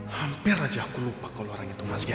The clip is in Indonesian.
hampir saja aku lupa kalau orang itu masih ada